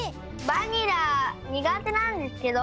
バニラにがてなんですけど。